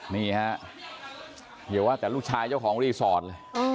นี่ฮะอย่าว่าแต่ลูกชายเจ้าของรีสอร์ทเลย